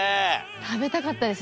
食べたかったです。